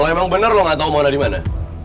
kalau emang bener lo gak tau mona dimana